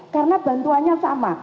karena bantuannya sama